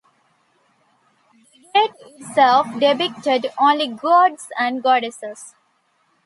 The gate itself depicted only gods and goddesses.